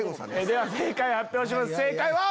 では正解発表します正解は。